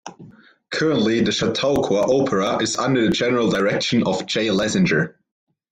Currently, the Chautauqua Opera is under the general direction of Jay Lesenger.